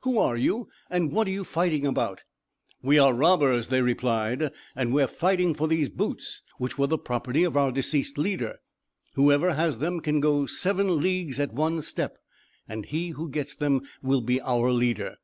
"Who are you? and what are you fighting about?" "We are robbers," they replied, "and we are fighting for these boots, which were the property of our deceased leader. Whoever has them can go seven leagues at one step; and he who gets them will be our leader.